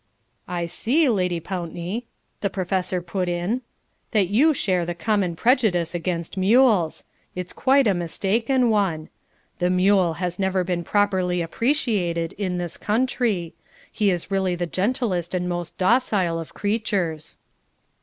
"I see, Lady Pountney," the Professor put in, "that you share the common prejudice against mules. It's quite a mistaken one. The mule has never been properly appreciated in this country. He is really the gentlest and most docile of creatures!"